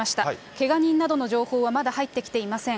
けが人などの情報はまだ入ってきていません。